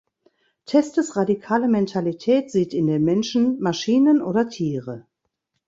Testes radikale Mentalität sieht in den Menschen Maschinen oder Tiere.